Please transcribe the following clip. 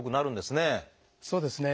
そうですね。